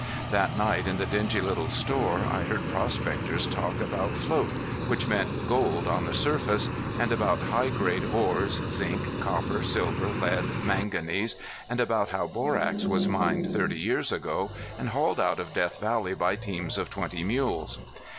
That night in the dingy little store I heard prospectors talk about float, which meant gold on the surface, and about high grade ores, zinc, copper, silver, lead, manganese, and about how borax was mined thirty years ago, and hauled out of Death Valley by teams of twenty mules.